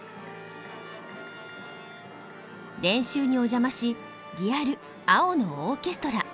練習にお邪魔しリアル「青のオーケストラ」